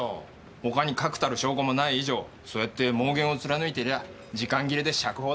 他に確たる証拠もない以上そうやって妄言をつらぬいてりゃ時間切れで釈放だ。